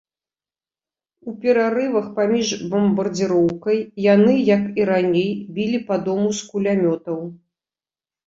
У перарывах паміж бамбардзіроўкай яны, як і раней, білі па дому з кулямётаў.